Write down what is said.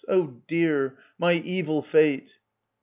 Oh dear ! my evil fate